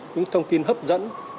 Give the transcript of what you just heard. những thông tin hấp dẫn